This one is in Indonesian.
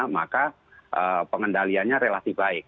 maka pengendaliannya relatif baik